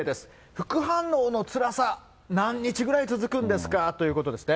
副反応のつらさ、何日ぐらい続くんですかということですね。